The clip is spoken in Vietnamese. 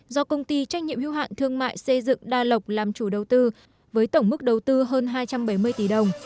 do công ty trách nhiệm hưu hạn thương mại xây dựng đa lộc làm chủ đầu tư với tổng mức đầu tư hơn hai trăm bảy mươi tỷ đồng